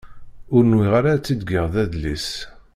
Ur nwiɣ ara ad t-id-geɣ d adlis.